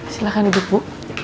silahkan duduk bu